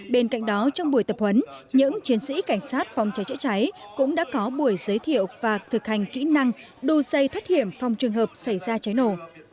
bên cạnh đó trong buổi tập huấn những chiến sĩ cảnh sát phòng cháy chữa cháy cũng đã có buổi giới thiệu và thực hành kỹ năng đu xây thoát hiểm phòng trường hợp xảy ra cháy nổ